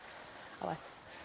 tanaman yang digunakan adalah perut